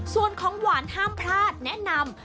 ส่วนของหวานห้ามพลาดแนะนำ